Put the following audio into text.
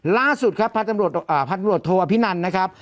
ล่าสุดครับทหารกำลักษณ์กันอ่าพันธมโรทธโทอภินันนะครับ